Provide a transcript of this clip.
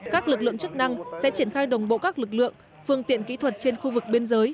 các lực lượng chức năng sẽ triển khai đồng bộ các lực lượng phương tiện kỹ thuật trên khu vực biên giới